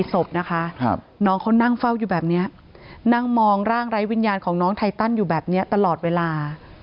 ศพนะคะน้องเขานั่งเฝ้าอยู่แบบนี้นั่งมองร่างไร้วิญญาณของน้องไทตันอยู่แบบนี้ตลอดเวลา